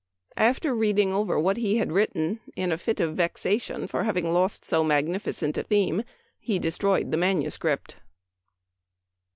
After reading over what he had written, in a fit of vexation for having lost so magnificent a theme he destroyed the manuscript.